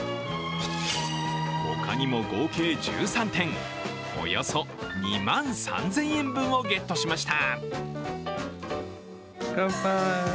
他にも合計１３点、およそ２万３０００円分をゲットしました。